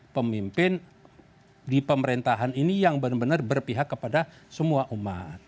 pemimpin di pemerintahan ini yang benar benar berpihak kepada semua umat